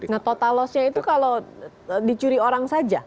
nah total lossnya itu kalau dicuri orang saja